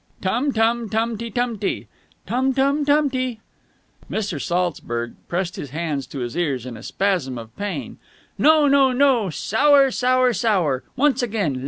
"La la la...." "Tum tum tumty tumty...." "Tum tum tumty...." Mr. Saltzburg pressed his hands to his ears in a spasm of pain. "No, no, no! Sour! Sour! Sour!... Once again.